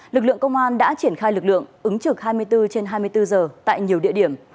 lực lượng công an đã triển khai lực lượng ứng trực hai mươi bốn trên hai mươi bốn giờ tại nhiều địa điểm